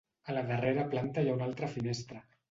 A la darrera planta hi ha una altra finestra.